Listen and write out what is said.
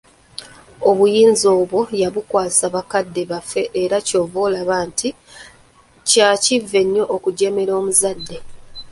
Obuyinza obwo yabukwasa bakadde baffe era ky'ova olaba nti kya kivve nnyo okujeemera omuzadde.